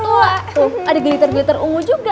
tuh ada glitter glitter umu juga